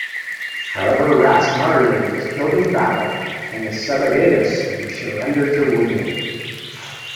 However, "Ras" Marye was killed in the battle, and Sebagadis surrendered to Wube.